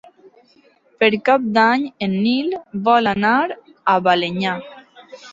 Per Cap d'Any en Nil vol anar a Balenyà.